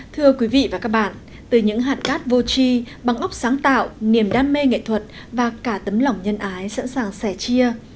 thưa quý vị và các bạn từ những hạt cát vô chi băng óc sáng tạo niềm đam mê nghệ thuật và cả tấm lòng nhân ái sẵn sàng sẻ chia